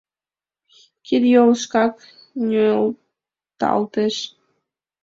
Кид-йол шкак нӧлталтеш.